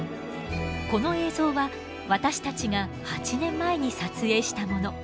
この映像は私たちが８年前に撮影したもの。